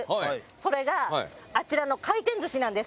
それがあちらの回転寿司なんです。